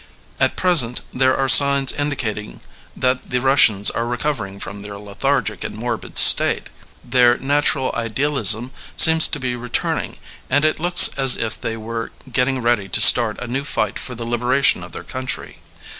At pres ent there are signs indicating that the Russians are recovering from their lethargic and morbid state. Their natural idealism seems to be returning, and it looks as if they were getting ready to start a new fight for the liberation of their country.